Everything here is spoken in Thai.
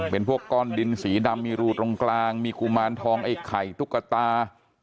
เป็นพวกก้อนดินสีดำมีรูตรงกลางมีกุมารทองไอ้ไข่ตุ๊กตา